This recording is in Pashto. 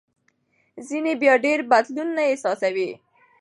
ځینې بیا ډېر بدلون نه احساسوي.